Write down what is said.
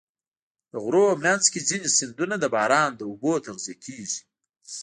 د غرونو منځ کې ځینې سیندونه د باران له اوبو تغذیه کېږي.